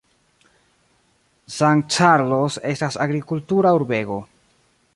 San Carlos estas agrikultura urbego.